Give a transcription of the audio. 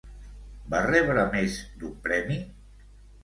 Va rebre més d'un premi?